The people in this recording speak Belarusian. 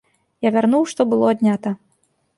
Я вярнуў, што было аднята.